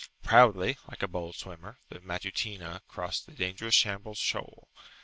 Proudly, like a bold swimmer, the Matutina crossed the dangerous Shambles shoal.